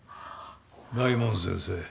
大門先生。